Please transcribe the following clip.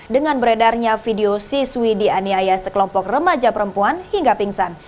dengan beredarnya video siswi dianiaya sekelompok remaja perempuan hingga pingsan